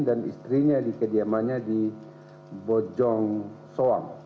dan istrinya di kediamannya di bojong soang